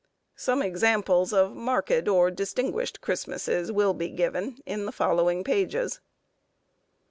Some examples of marked or distinguished Christmasses will be given in the following pages.